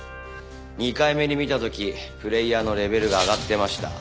２回目に見た時プレーヤーのレベルが上がってました。